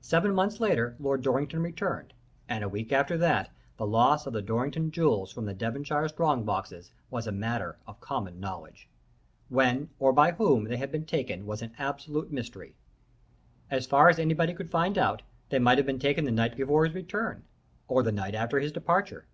Seven months later, Lord Dorrington returned, and a week after that, the loss of the Dorrington jewels from the Devonshire strong boxes was a matter of common knowledge. When, or by whom, they had been taken was an absolute mystery. As far as anybody could find out, they might have been taken the night before his return, or the night after his departure.